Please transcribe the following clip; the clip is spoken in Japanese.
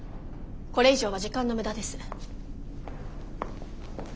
これ以上は時間の無駄です。